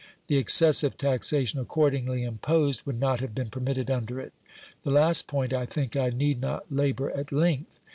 The excessive taxation accordingly imposed would not have been permitted under it. The last point I think I need not labour at length.